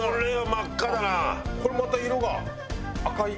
これまた色が赤い。